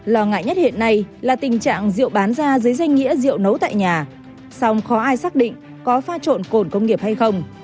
lo ngại nhất hiện nay là tình trạng rượu bán ra dưới danh nghĩa rượu nấu tại nhà song khó ai xác định có pha trộn cồn công nghiệp hay không